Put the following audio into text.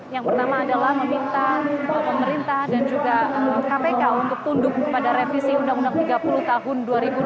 yang pertama adalah meminta pemerintah dan juga kpk untuk tunduk kepada revisi undang undang tiga puluh tahun dua ribu dua puluh